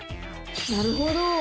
なるほど！